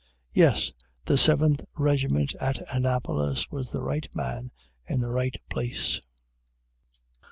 Yes! the Seventh Regiment at Annapolis was the Right Man in the Right Place!